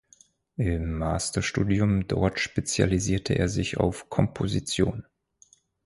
Im Masterstudium dort spezialisierte er sich auf Komposition.